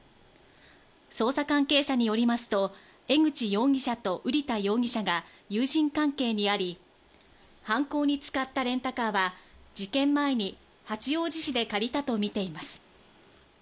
捜査関係者によりますと、江口容疑者と瓜田容疑者は友人関係にあり、犯行に使ったレンタカーは事件前に八王子市で借りたとみています。